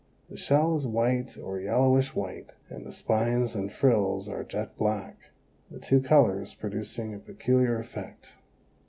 The shell is white or yellowish white and the spines and frills are jet black, the two colors producing a peculiar effect.